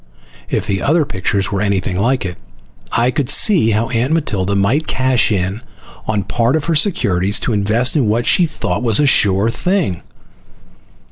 If the other pictures were anything like it, I could see how Aunt Matilda might cash in on part of her securities to invest in what she thought was a sure thing.